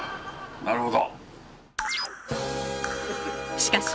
なるほど。